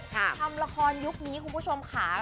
ทำละครยุคนี้คุณผู้ชมค่ะ